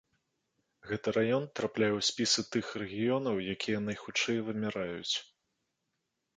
Гэты раён трапляе ў спісы тых рэгіёнаў, якія найхутчэй выміраюць.